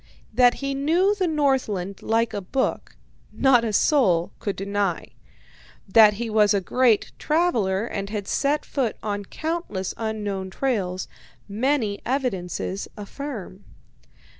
That he knew the Northland like a book, not a soul can deny. That he was a great traveller, and had set foot on countless unknown trails, many evidences affirm.